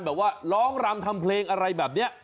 แบบว่าร้องรำทำเพลงอะไรแบบนี้